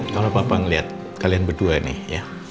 kalau papa ngeliat kalian berdua nih ya